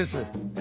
え？